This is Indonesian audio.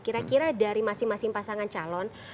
kira kira dari masing masing pasangan calon